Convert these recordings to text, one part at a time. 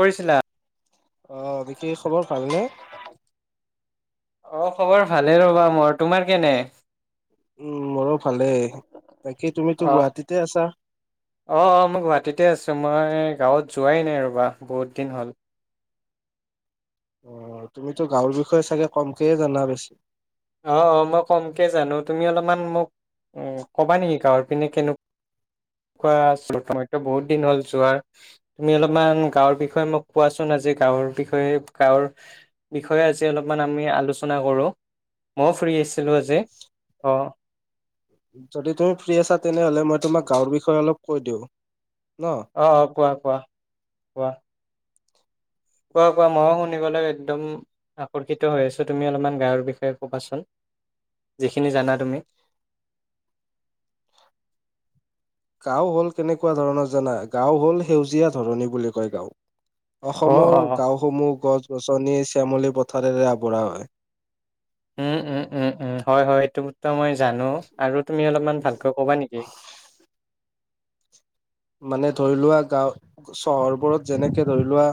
কৰিছিলা। আহ নেকি খবৰ ভালনে? অ খবৰ ভালে ৰ'বা মোৰ তোমাৰ কেনে? উম, মোৰো ভালেই তাকে তুমিতো অ গুৱাহাটীতে আছা। অ অ মই গুৱাহাটীতে আছোঁ মই গাঁৱত যোৱাই নাই ৰ'বা বহুত দিন হ'ল। অ' তুমিতো গাঁৱৰ বিষয়ে চাগে কমকেয়ে জানা বেছি, অ' অ' মই কমকে জানো তুমি অলপমান মোক, উ কবা নেকি গৱৰ পিনে কেনে ছট ম বহুত দিন হ'ল যোৱাৰ তুমি অলপমান গাঁৱৰ বিষয়ে মোক কোৱাচোন আজি গাঁৱৰ বিষয়ে, বিষয়ে আজি অলপমান আমি আলোচনা কৰো মইও ফু্ৰী আছিলোঁ আজি অ' যদি তুমি ফ্ৰী আছা তেনেহ'লে ম তোমাক গাঁৱৰ বিষয়ে অলপ কৈ দিওঁ ন? আহ অ' কোৱা কোৱা কোৱা কোৱা কোৱা মই শুন লে একদম আকৰ্ষিত হৈ আছো তুমি অলপমান গাৰ বিষয়ে ক'বাচোন যিখিনি জানা তুমি গাঁও হল কেনেকুৱা ধৰণৰ জানা গাঁও হ'ল সেউজীয়া ধৰণী বুলি কয় গাঁওক অ', অসমৰ অ', গাঁওসমূহ গছ গছনি শ্যামলি পথাৰেৰে আবঢ় হয় উম উম উম উম হয় হয় এইটো মই জানো আৰু তুমি অলপমান ভালকৈ ক'বা নেকি? মানে ধৰি লোৱা গাও চহৰবোৰত যেনেকে ধৰি লোৱা।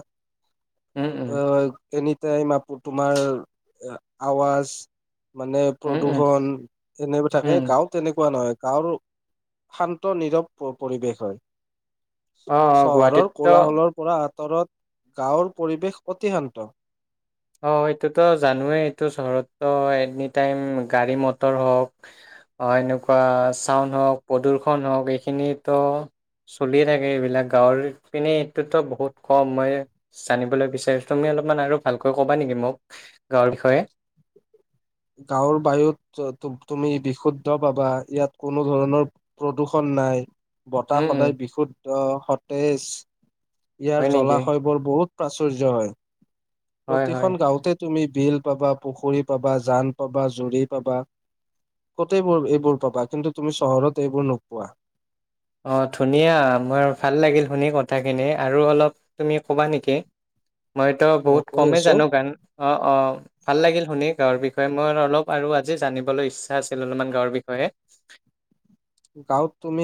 উম, উম, অ', এনিটাইম আপু তোমাৰ আৱাজ মানে উম, উম, প্ৰদূষণ এনেুৱা থাকে, উম, গাঁওত তেনেকুৱা নহয়। গাঁৱৰটো শান্ত, নীৰৱ পৰিৱেশ হয়। অ', অ', চহৰৰ গুৱাহাটীততো কোলাহলৰ পৰা আঁতৰত গাঁৱৰ পৰিৱেশ অতি শান্ত। অ', হেইটোতো জানোৱেই, এইটো চহৰতো এনিটাইম গাড়ী-মটৰ হওঁক অ এনেকুৱা চাউণ্ড হওঁক, প্ৰদূ্ষন হওঁক এইখিনিতো চলিয়ে থাকে এইবিলাক। গাঁৱৰপিনে এইটোতো বহুত কম, মই জানিবলৈ বিচাৰিছো তুমি অলপমান আৰু ভালকৈ ক'বা নেকি মোক? গাঁৱৰ বিষয়ে? গাঁৱৰ বায়ুত ত-ত-তুমি বিশুদ্ধ পাবা, ইয়াত কোনো ধৰণৰ প্ৰদূষণ নাই। উম, বতাহ উম, সদায় বিশুদ্-অ', সতেজ। হয় ইয়াৰ নেকি? জলাশয় বোৰ বহুত প্ৰাচুয্য হয়। হয়, হয়। প্ৰতিখন গাওঁতে তুমি বিল পাবা, পুখুৰী পাবা জান পাবা, জুৰি পাবা গোটেইবোৰ এইবোৰ পাবা। কিন্তু তুমি চহৰত এইবোৰ নোপোৱা। অ', ধুনীয়া। মোৰ ভাল লাগিল শুনি কথাখিনি আৰু অলপ তুমি ক'বা নেকি? মইতো মই বহুত কৈ কমেই আছো জানো গান, অ', অ', ভাল লাগিল শুনি গাঁৱৰ বিষয়ে। মই অলপ আৰু আজি জানিবলৈ ইচ্ছা আছিল অলপমান গাঁৱৰ বিষয়ে। গাঁৱত তুমি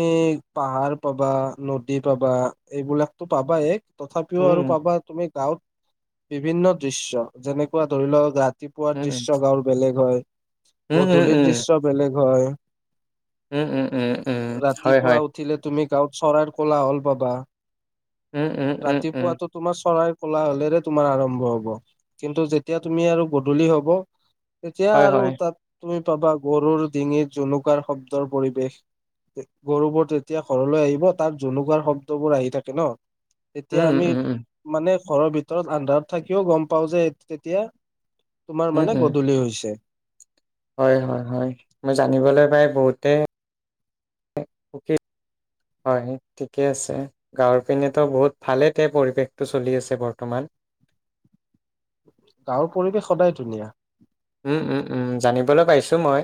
পাহাৰ পাবা, নদী পাবা এইবিলাকতো পাবাই। তথাপিও আৰু উম পাবা তুমি গাওঁত বিভিন্ন দৃশ্য। যেনেকুৱা ধৰি লোৱা ৰা ৰাতিপুৱাৰ উম দৃশ্য গাৱঁৰ বেলেগ হয়। উম উম উম গধূলিৰ উম দৃশ্য বেলেগ হয়। উম উম উম উম হয় ৰাতিপুৱা হয় উঠিলে তুমি গাঁৱত চৰাইৰ কলাহল পাবা। উম উম উম উম ৰাতিপুৱাতো তোমাৰ চৰাই কলাহলেৰে তোমাৰ আৰম্ভ হ'ব। কিন্তু যেতিয়া তুমি আৰু গধূলি হ'ব তেতিয়া হয় আৰু হয় তাত, তুমি পাবা গৰুৰ ডিঙিত, জোনুকাৰ শব্দৰ পৰিৱেশ, গৰুবোৰ তেতিয়া ঘৰলৈ আহিব তাৰ জুনুকৰাৰ শব্দবোৰ আহি থাকে ন। তেতিয়া উম উম আমি, উম উম মানে ঘৰৰ ভিতৰত আন্ধাৰত থাকিও গম পাওঁ যে তেতিয়া তোমাৰ উম মানে উম গধূলি হৈছে। হয় হয় হয়, মই জানিবলৈ পাই বহুতে সুখী। হয়, ঠিকে আছে, গাঁৱৰ পিনেতো বহুত ভালেতে পৰিৱেশটো চলি আছে বৰ্তমান। [inaudible] গাঁৱৰ পৰিৱেশ সদায় ধুনীয়া। উম উম উম, জানিবলৈ পাইছো মই,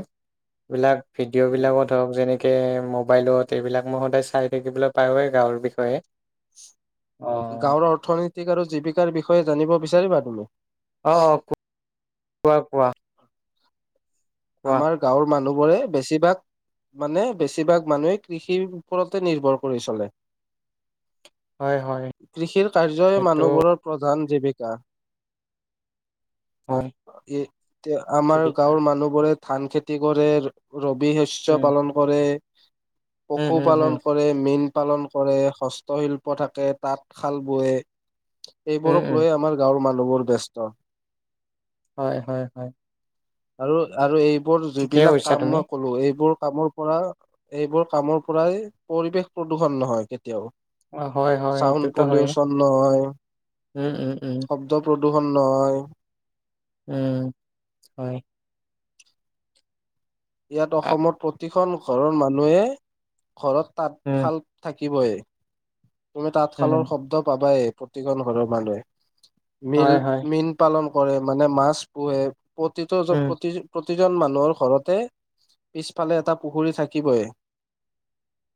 এইবিলাক ভিডিঅ' বিলাকত হওক যেনেক কে মোবাইলত এইবিলাক মই সদায় চাই থাকিবলৈ পাৰোৱেই গাঁৱৰ বিষয়ে। অ', গাঁৱৰ অৰ্থনৈতিক আৰু জীৱিকাৰ বিষয়ে জানিব বিচাৰিবা তুমি? অ' অ', কোৱা কোৱা। কোৱা আমাৰ গাঁৱৰ মানুহবোৰে বেছিভাগ মানে বেছিভাগ মানুহে কৃষিৰ ওপৰতে নিৰ্ভৰ কৰি চলে। হয় হয় কৃষিৰ কাৰ্যই সেইটো মানুহবোৰৰ প্ৰধান জিবিকা, হয় এ, আমাৰ জীৱিকা গাঁৱৰ মানুহ ধান খেতি কৰে, ৰবি শস্্য উম, পালন কৰে। উম, হম, হম, পশুপালন কৰে, মীন পালন কৰে, হস্তশিল্প থাকে, তাত খাল বোৱে। উম, এইবোৰক উম, লৈয়ে আমাৰ গাঁৱৰ মানুহবোৰ ব্যস্ত। হয়, হয়, হয়। আৰু, আৰু এইবোৰ ঠিকেই যিবিলাক কৈছা কাম তুমি মই কলো, এইবোৰ কামৰ পৰা, এইবোৰ কামৰ পৰাই পৰিৱেশ প্ৰদূষণ নহয়। অ', হয় হয় চাউড সেইটোতো হয়ে পলিউচন নহয়, উম, উম, উম, শব্দ োহন নহয়। উম, হয়। ইয়াত অসমৰ প্ৰতিখন ঘৰৰ মানুহে ঘৰত উম, তাঁতশাল থাকি থাকিবয়ে। তুমি তাঁতশালৰ উম, শব্দ পাবায়ে প্ৰতিখন ঘৰৰ মানুহে হয় হয় মীল-মীন পালন কৰে, মানে মাছ পোহে। প্ৰতিটো উম, প্ৰতি-প্ৰত প্ৰতিজন মানুহৰ ঘৰতে পিছফালে এটা পুখুৰী থাকিবই।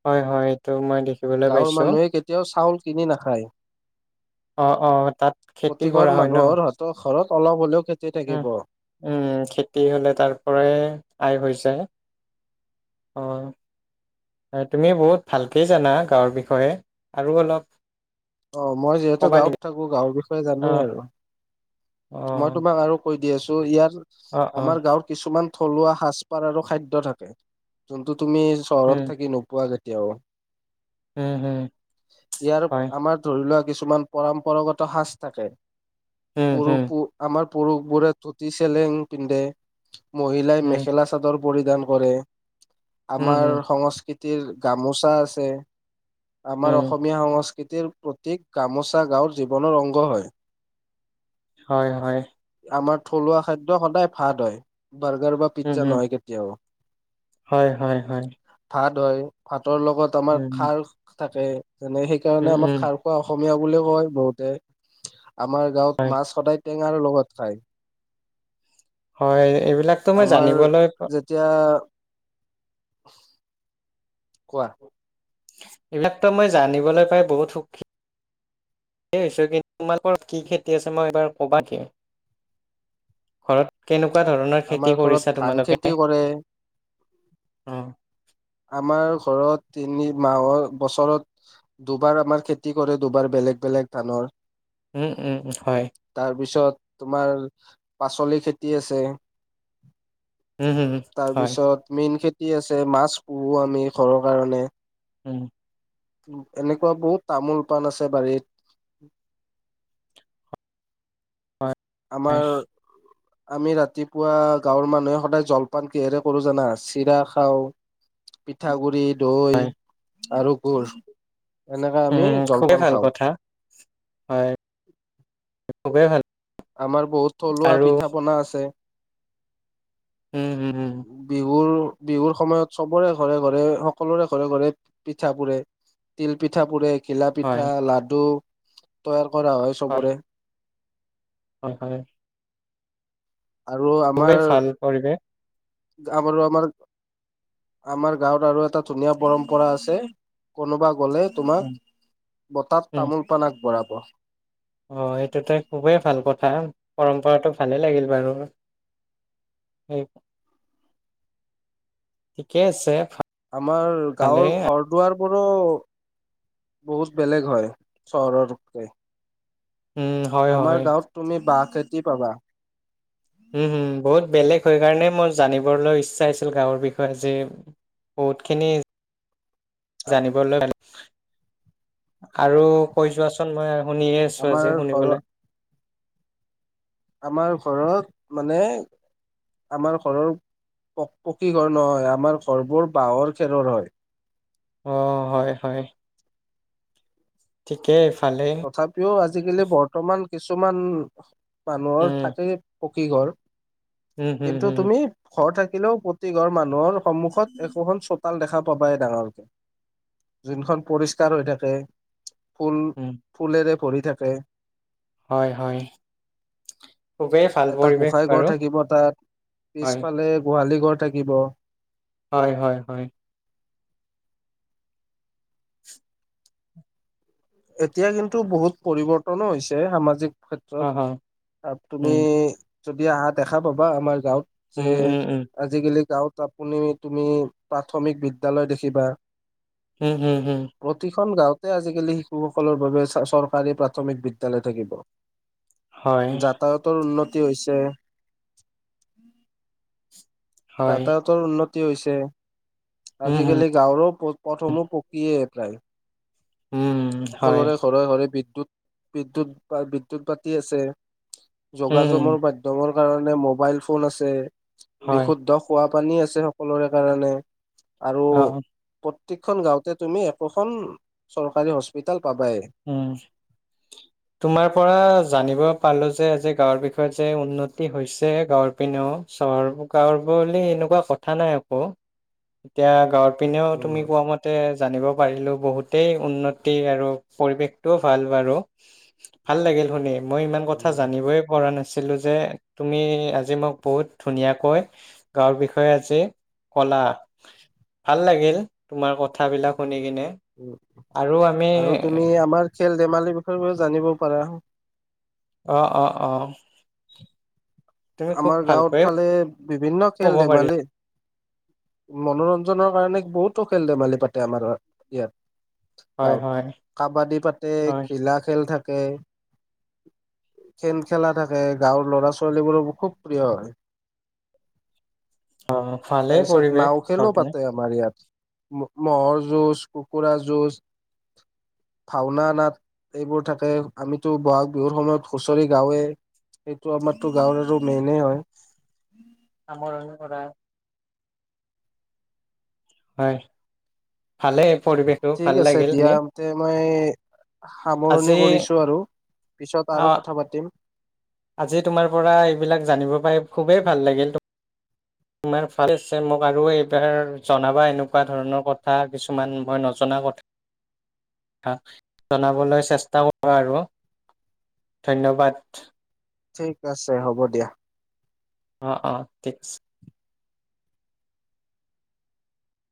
হয় হয় এইটো মই দেখিবলৈ গাঁৱৰ পাইছো মানুহে কেতিয়াও চাউল কিনি নাখায়। অ', অ', তাত খেতি প্ৰতিঘৰ কৰা হয় ন মানুহৰ হাতত ঘৰত অলপ হ'লেও খে উম, উম, খেতি হ'লে তাৰ পৰাই আয় হৈ যায়। অ হয়, তুমি বহুত ভালকে জানা গাঁৱৰ বিষয়ে আৰু অলপ অ মই যিহেতু ক'বা গাঁৱত নেকি? থাকো গাঁৱৰ বিষয়ে জানোৱেই অ', আৰু। মই অ', তোমাক আৰু কৈ দি আছো অ', ইয়াৰ অ', আমাৰ গাঁৱৰ কিছুমান থলুৱা সাজ পাৰ আৰু খাদ্য থাকে যোনটো তুমি উম, চহৰত থাকি নোপোৱা কেতিয়াও, উম, হুম, ইয়াৰ হয়, আমাৰ ধৰি লোৱা কিছু কিছুমান পৰম্পৰাগত সাজ থাকে উম, পৰু হুম, পো আমাৰ পুৰুষ বোৰে ধুতি চেলেং পিন্ধে, মহিলাই উম, মেখেলা চাদৰ পৰিধান কৰে, উম, আমাৰ হুম, সংস্কৃতিৰ গামোচা আছে। আমাৰ উম, অসমীয়া সংস্কৃতিৰ প্ৰতীক গামোচা গাঁৱৰ জীৱনৰ অংগ হয়। হয় হয় আমাৰ থলুৱা খাদ্য সদায় ভাত হয়, বাৰ্গাৰ বা উম, পিজ্জা হুম, নহয় কেতিয়াও। হয় হয় হয় ভাত হয় ভাতৰ লগত আমাৰ উম, খাৰ থাকে যেনে সেইকাৰণে উম, আমাৰ উম, খাৰ খোৱা অসমীয়া অসমীয়া বুলি কয় বহুতে আমাৰ গাঁৱত হয়, মাছ সদায় টেঙাৰ লগত খায়। হয়, এইবিলাকতো মই আমাৰ জানিবলৈ যেতিয়া [inaudible] কোৱা এইবিলাকতো মই জানিবলৈ পাই বহুত সুখী হৈছো কিন্তু তোমালোকৰ কি খেতি আছে মই এইবাৰ ক'বা নেকি? ঘৰত কেনেকুৱা ধৰণৰ আমাৰ খেতি ঘৰত কৰিছা ধান তোমালোকে? খেতি কৰে অ আমাৰ ঘৰত তিনি মাহৰ বছৰত দুবাৰ আমাৰ খেতি কৰে দুবাৰ বেল বেলেগ বেলেগ ধানৰ। উম উম হয় তাৰপিছত তোমাৰ পাচলি খেতি আছে। উম, হুম, হয়, তাৰপিছত মেইন খেতি আছে মাছ পোহো আমি ঘৰৰ কাৰনে। উম এনেকুৱা বহুত তামোল পাণ আছে বাৰীত। [unintelligible] হয়, আমাৰ আমি ৰাতিপুৱা গাঁৱৰ মানুহে সদায় জলপান কিহেৰে কৰো জানা চিৰা খাওঁ, পিঠাগুৰি, দৈ হয়, আৰু গুৰ। এনেকে আমি উম, খুবেই জলপান ভাল খাওঁ। কথা হয় খুবেই ভাল আমাৰ বহুত থলুৱা আৰু পিঠা পনা আছে। উম, উম, উম, বিহুৰ বিহুৰ সময়ত সবৰে ঘৰে ঘৰে সকলোৰে ঘৰে ঘৰে পিঠা পুৰে। তিল পিঠা পুৰে, ঘিলা হয়, পিঠা, লাডু তৈয়াৰ কৰা হয় চবৰে। হয় হয় আৰু খুবেই আমাৰ ভাল পৰিৱেশ আমাৰো আমাৰ আমাৰ গাঁৱত আৰু এটা ধুনীয়া পৰম্পৰা আছে, কোনোবা- গ'লে তোমাক উম, বতাত উম, তামোল পাণ আগবঢ়াব। অ এইটো ত খুবেই ভাল কথা। পৰম্পৰাটো ভালেই লাগিল বাৰু। ঠিকেই আছে। আমাৰ ভালে গাঁৱৰ ঘৰ দুৱাৰ পৰা টো বহুত বেলেগ হয় চহৰৰ [unintelligible] উম, হয়, আমাৰ হয়, গাঁৱত তুমি বাঁহ খেতি পাবা। উম হম বহুত বেলেগ হৈ কাৰণে মোৰ জানিবলৈ ইচ্ছা আছিল গাঁৱৰ বিষয়ে যেি বহুত খিনি জানিবলৈ আৰু কৈ যোৱাচোন মই শুনিয়ে আছো আমাৰ আজি ঘৰৰ শুনিবলৈ আমাৰ ঘৰত মানে আমাৰ ঘৰৰ প পকী ঘৰ নহয় আমাৰ ঘৰবোৰ বাঁহৰ খেৰৰ হয় আহ হয় হয় ঠিকেই ভালেই তথাপিও আজিকালি বৰ্তমান কিছুমান মানুহৰ উম, থাকে পকী ঘৰ উম, হম, কিন্তু হম, তুমি ঘৰ থাকিলেও প্ৰতি ঘৰ মানুহৰ সন্মুখত এশখন দেখা পাবাই ডাঙৰকে যোনখন পৰিষ্কাৰ হৈ থাকে ফুল উম, ফুলেৰে ভৰি থাকে হয় হয় খুবেই ভাল এটা পৰিৱেশ গোঁসাঁই ঘৰ বাৰু থাকিব তাত হয় পিছফালে গোহালি ঘৰ থাকিব হয় হয় হয় এতিয়া কিন্তু বহুত পৰিৱৰ্তনো হৈছে সামাজিক অ হ ক্ষেত্ৰত তুমি উম যদি আহা দেখা পাবা আমাৰ যাওঁত যে উম উম উম উম আজিকালি গাঁওত তুনি তুমি প্ৰাথমিক বিদ্যালয় দেখিবা উম উম হম তে আজিকালি শিশুসকলৰ বাবে চৰকাৰী প্ৰাথমিক বিদ্যয়ালয় থাকিব হয় যাতায়তৰ উন্নতি হৈছে হয় যাতায়তৰ উন্নতি হৈছে উম হম আজিকালি গাঁৱৰ পথসমূহ পকীয়ে উম হয় সকলোৰে ঘৰে ঘৰে বি বিদ্যুৎ বা বিদ্যৎ পতি আছে উম যোগাযোগৰ মাধ্যমৰ কাৰণে মোবাইল ফোন আছে হয় বিশুদ্ধ খোৱা পানী আছে সকলোৰে কাৰণে আৰু অ প্ৰতিখন গাওঁতে তুমি একোখন চৰকাৰী হস্পিতেল উম তোমাৰ পৰা জানিব পালো যে আজি গাঁৱৰ বিষয়ে যে উন্নতি হৈছে গাঁৱৰ পিন্নেো চহৰ গাঁৱৰ বুলি এনেকুৱা কথা নাই অক এতিয়া গাঁৱত পিনেও তুমি উম কোৱা মতে জানিব পাৰিলোঁ বহুতেই উন্নতি আৰু পৰিৱেশটোও ভাল বাৰু ভাল লাগিল শুনি মই ইমান কথা উম জানিবই পৰা নাছিলো যে তুমি আজি মোক বহুত ধুনীয়াকৈ গাঁৱৰ বিষয়ে আজি কলা ভাল লাগিল তোমাৰ কথাবিলাক শুনি কিনে উম আৰু আমি আৰু তুমি আমাৰ খেল ধেমালি বিষয়েও জানিব পাৰো আহ অ আহ আমাৰ গাঁৱত ফালে বিভিন্ন খেল ক'ব পাৰিলা ধেমালি মনোৰঞ্জন জনৰ কাৰণে বহুতো খেল ধেমালি পাতে আমাৰ ইয়াত হয় গাঁৱত হয় কাবাডী পাতে হয় ঘিলা খেল থাকে খেল খেলা থাকে গাঁৱৰ লৰা ছোৱালীবোৰো খুব প্ৰিয় হয় অ ভালেই তাৰপিছত পৰিৱেশ নাও গাঁৱৰ খেলো পিনে পাতে আমাৰ ইয়াত ম'হৰ যুঁজ কুকুৰা যুঁজ ভাওনা নাট এইবোৰ থাকে আমিতো বহাগ বিহুৰ সময়ত হুঁচৰি গাওঁৱে সেইটো আমাৰতো গাঁৱৰ আৰু মেইনে হয় আমৰৰা হয় ভালেই পৰিৱেশো ঠিক ভাল আছে লাগিল দিয়া নে তে মই সামৰণি কৰিছো আৰু পিছত অ আৰু কথা পাতিম আজি তোমাৰ পৰা এইবিলাক জানিব পাই খুবেই ভাল লাগিল তোমাৰ ফাৰ্ষ্ট চেমক আৰু এইবাৰ জনাবা এনেকুৱা ধৰণৰ কথা কিছুমান মই নজনা কথা। জনাবলৈ চেষ্টা কৰো আৰু। ধন্যবাদ। ঠিক আছে হ'ব দিয়া। অ অ ঠিক আছে।